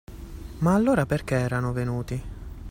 Ma allora perché erano venuti?